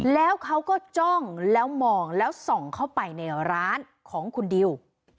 แล้วเขาก็จ้องแล้วมองแล้วส่องเข้าไปในร้านของคุณดิว